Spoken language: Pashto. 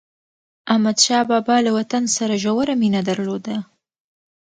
احمدشاه بابا له وطن سره ژوره مینه درلوده.